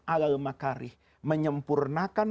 alal makarih menyempurnakan